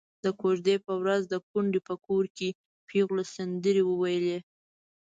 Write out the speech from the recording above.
د کوژدې په ورځ د کونډې په کور کې پېغلو سندرې وويلې.